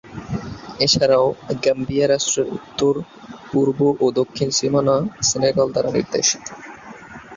এছাড়া গাম্বিয়া রাষ্ট্রের উত্তর, পূর্ব ও দক্ষিণ সীমানা সেনেগাল দ্বারা নির্দেশিত।